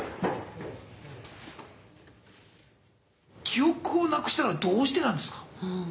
「記憶をなくしたのはどうしてなんですか？」。